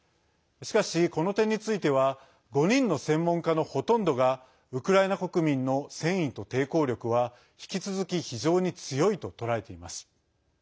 しかし、この点については５人の専門家のほとんどがウクライナ国民の戦意と抵抗力は引き続き非常に強いと捉えています。